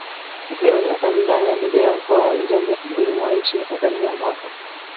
Ziwa Nyasa wilaya ya Ludewa Mkoa wa Njombe kusini mwa nchi ya TanzaniaMwaka